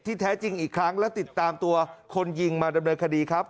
แท้จริงอีกครั้งและติดตามตัวคนยิงมาดำเนินคดีครับ